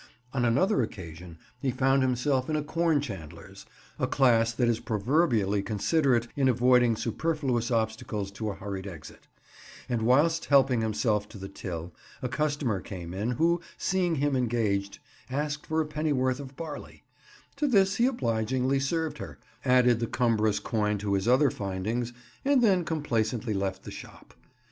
On another occasion he found himself in a corn chandler's—a class that is proverbially considerate in avoiding superfluous obstacles to a hurried exit,—and whilst helping himself to the till, a customer came in, who, seeing him engaged, asked for a pennyworth of barley; to this he obligingly served her, added the cumbrous coin to his other findings, and then complacently left the shop.